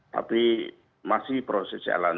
tapi masih proses jalan